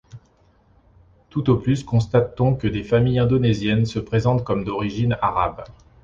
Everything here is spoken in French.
Tout au plus constate-t-on que des familles indonésiennes se présentent comme d'origine arabe.